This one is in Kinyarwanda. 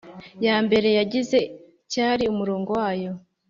Ya mbere yagize cyari umurongo wayo